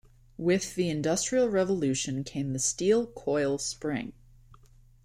With the industrial revolution came the steel coil spring.